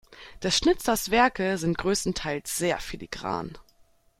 Des Schnitzers Werke sind größtenteils sehr filigran.